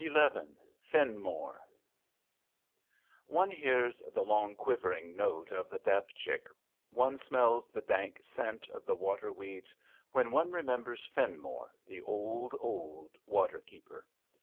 44 XI FINMORE One hears the long, quivering note of the dabchick, one smells the dank scent of the water weeds, when one remembers Finmore, the old, old water keeper.